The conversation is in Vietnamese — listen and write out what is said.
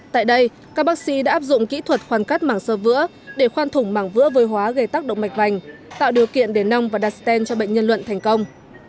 tại đây các bác sĩ đã áp dụng kỹ thuật khoan cắt mảng sơ vữa để khoan thủng mảng vữa vôi hóa gây tác động mạch vành tạo điều kiện để nong và đặt stent cho bệnh nhân luận thành công